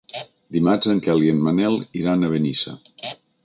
Dimarts en Quel i en Manel iran a Benissa.